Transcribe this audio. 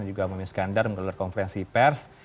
dan juga mami skandar mengelola konferensi pers